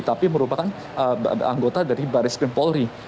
tapi merupakan anggota dari baris pempolri